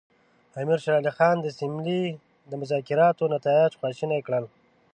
امیر شېر علي خان د سیملې د مذاکراتو نتایج خواشیني کړل.